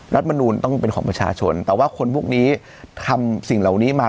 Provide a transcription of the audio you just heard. รัฐมนูลต้องเป็นของประชาชนแต่ว่าคนพวกนี้ทำสิ่งเหล่านี้มา